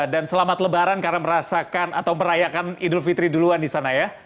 dan selamat lebaran karena merasakan atau merayakan idul fitri duluan di sana ya